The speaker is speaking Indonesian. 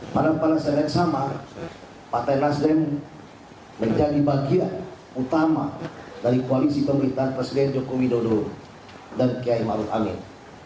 pada pada saya lihat sama partai nasdem menjadi bagian utama dari kualisi pemerintahan presiden joko widodo dan kiai maluk amin